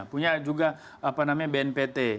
punya juga bnpt